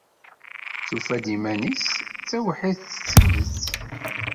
Tufa-d iman-is d tawḥidt s tidet.